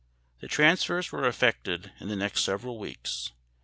The transfers were effected in the next several weeks.